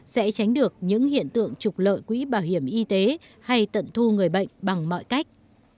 sẽ tránh được những hiện tượng trục lợi quỹ bảo hiểm y tế hay tận thu người bệnh bằng mọi cách